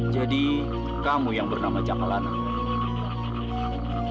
jadi kamu yang bernama jakalanang